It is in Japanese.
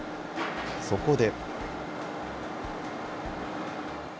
そこで。